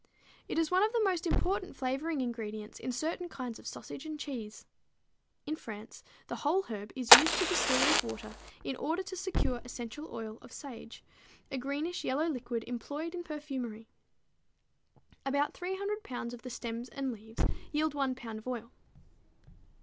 It is one of the most important flavoring ingredients in certain kinds of sausage and cheese. In France the whole herb is used to distill with water in order to secure essential oil of sage, a greenish yellow liquid employed in perfumery. About 300 pounds of the stems and leaves yield one pound of oil.